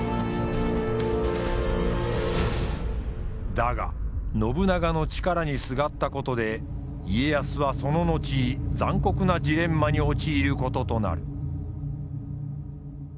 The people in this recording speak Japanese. だが信長の力にすがったことで家康はその後残酷なジレンマに陥ることとなる。